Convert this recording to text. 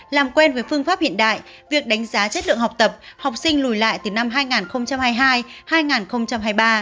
làm quen với phương pháp hiện đại việc đánh giá chất lượng học tập học sinh lùi lại từ năm hai nghìn hai mươi hai hai nghìn hai mươi ba